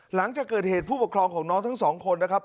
หลังจากเกิดเหตุผู้ปกครองของน้องทั้งสองคนนะครับ